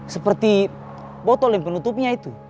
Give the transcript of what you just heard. seperti botolin penutupnya itu